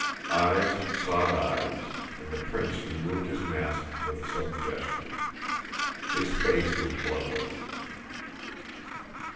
Eyes sought eyes, and the prince removed his mask with a sudden gesture. His face was bloodless.